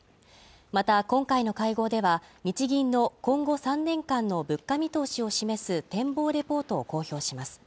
また今回の会合では、日銀の今後３年間の物価見通しを示す展望レポートを公表します。